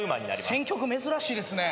選曲珍しいですね。